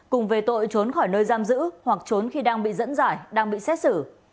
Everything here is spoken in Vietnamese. cùng về tội trốn khỏi nơi giam giữ hoặc trốn khi đang bị dẫn giải đang bị xét xử